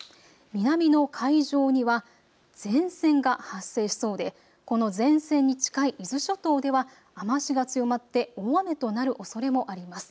南の海上には前線が発生しそうでこの前線に近い伊豆諸島では雨足が強まって大雨となるおそれもあります。